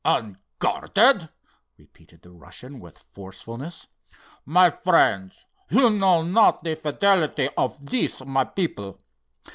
"Unguarded?" repeated the Russian with forcefulness. "My friends, you know not the fidelity of these, my people.